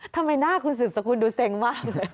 ทำไมหน้าคุณสืบสกุลดูเซ็งมากเลย